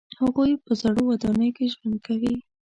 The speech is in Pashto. هغوی په زړو ودانیو کې ژوند کوي.